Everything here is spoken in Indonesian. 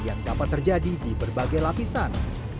yang dapat terjadi di berbagai lapisan